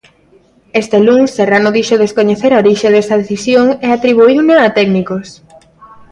Este luns Serrano dixo descoñecer a orixe desa decisión e atribuíuna a técnicos.